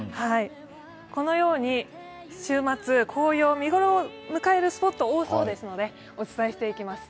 このように週末、紅葉、見ごろを迎えるスポットが多そうなのでお伝えしていきます。